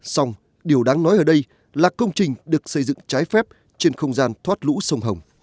xong điều đáng nói ở đây là công trình được xây dựng trái phép trên không gian thoát lũ sông hồng